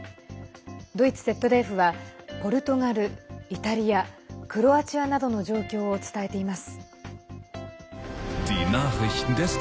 ドイツＺＤＦはポルトガル、イタリアクロアチアなどの状況を伝えています。